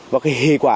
và cái hệ quả